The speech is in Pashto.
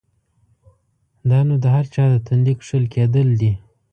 دا نو د هر چا د تندي کښل کېدل دی؛